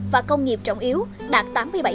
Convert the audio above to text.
và công nghiệp trọng yếu đạt tám mươi bảy